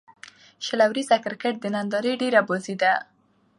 شل اووريز کرکټ د نندارې ډېره بازي ده.